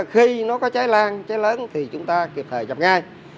khi nó có cháy lan cháy lớn thì chúng ta kịp thời dập ngay